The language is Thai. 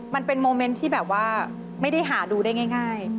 มันเป็นโมเมนต์ที่แบบว่าไม่ได้หาดูได้ง่าย